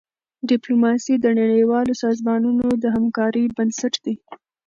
ډيپلوماسي د نړیوالو سازمانونو د همکارۍ بنسټ دی.